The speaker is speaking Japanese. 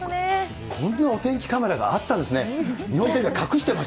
ここにもお天気カメラがあったんですね。